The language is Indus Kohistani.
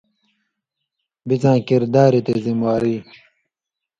بِڅاں کردار یی تے ذمواری